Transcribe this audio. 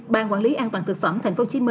ban quản lý an toàn thực phẩm tp hcm